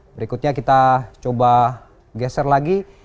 berikutnya kita coba geser lagi